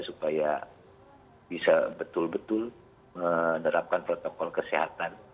supaya bisa betul betul menerapkan protokol kesehatan